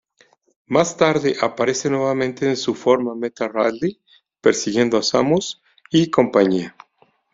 Más tarde, aparece nuevamente en su forma Meta Ridley persiguiendo a Samus y compañía.